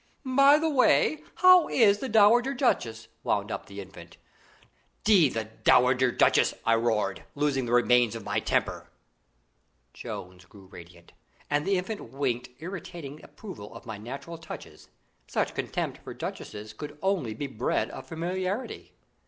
"By the way, how is the dowager duchess?" wound up the Infant. "D the dowager duchess!" I roared, losing the remains of my temper. Jones grew radiant, and the Infant winked irritating approval of my natural touches. Such contempt for duchesses could only be bred of familiarity.